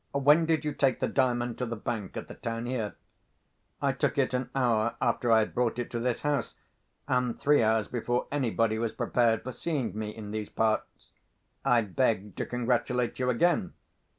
When did you take the Diamond to the bank at the town here?" "I took it an hour after I had brought it to this house—and three hours before anybody was prepared for seeing me in these parts." "I beg to congratulate you again!